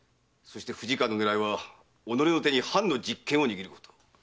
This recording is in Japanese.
藤川の狙いはおのれの手に藩の実権を握ること。